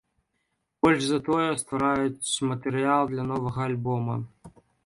Больш за тое, ствараюць матэрыял для новага альбома!